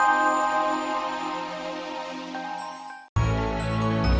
laila kamu siapkan makanan ke lapor